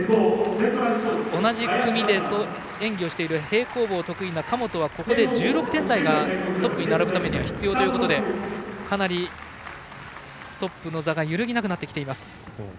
同じ組で演技をしている平行棒が得意な神本はここで１６点台がトップに並ぶためには必要ということでかなりトップの座が揺るぎなくなってきています。